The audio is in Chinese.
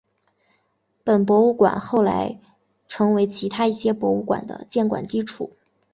本博物馆后来成为其他一些博物馆的建馆基础。